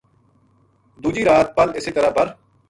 دُوجی رات پل اسے طرح بَر